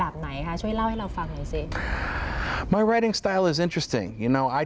คุณซีบีว่ามันเป็นแบบไหนคะช่วยเล่าให้เราฟังหน่อยสิ